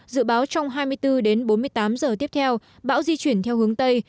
dự báo trong hai mươi bốn đến bốn mươi tám giờ tiếp theo bão di chuyển theo hướng tây